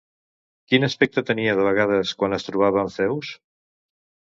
Quin aspecte tenia de vegades quan es trobava amb Zeus?